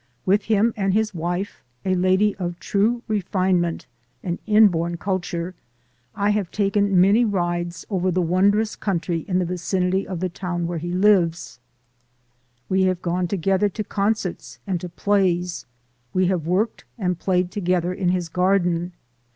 With him and his wife, a lady of true refinement and inborn cul ture, I have taken many rides over the wondrous country in the vicinity of the town where he lives. 222 THE SOUL OF AN IMMIGRANT We have gone together to concerts and to plays. We have worked and played together in his garden.